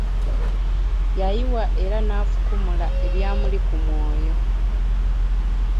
Yayiwa era nafukumula ebyamuli ku mwoyo.